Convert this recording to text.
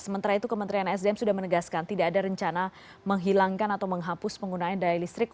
sementara itu kementerian sdm sudah menegaskan tidak ada rencana menghilangkan atau menghapus penggunaan daya listrik